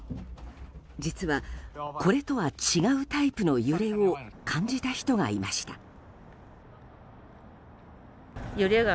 実はこれとは違うタイプの揺れを感じた人がいました。